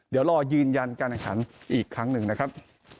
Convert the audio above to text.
เดี๋ยวรอยืนยันการแข่งขันอีกครั้งหนึ่งนะครับ